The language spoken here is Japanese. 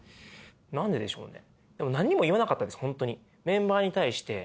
何ででしょうね？